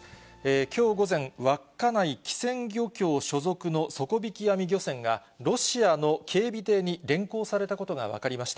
きょう午前、稚内きせん漁協所属の底引き網漁船が、ロシアの警備艇に連行されたことが分かりました。